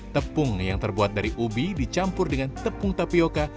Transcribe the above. tepung yang terbuat dari ubi dicampur dengan tepung tapioca